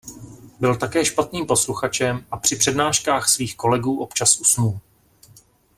Byl také špatným posluchačem a při přednáškách svých kolegů občas usnul.